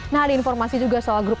nah di informasi ini ada lagu yang menarik